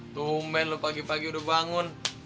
tumben loh pagi pagi udah bangun